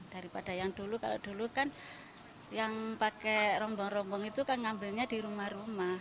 daripada yang dulu kalau dulu kan yang pakai rombong rombong itu kan ngambilnya di rumah rumah